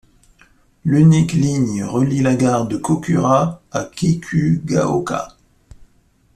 L'unique ligne relie la gare de Kokura à Kikugaoka.